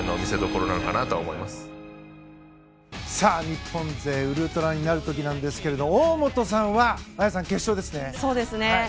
日本勢ウルトラになる時なんですが大本さんは綾さん、決勝ですね。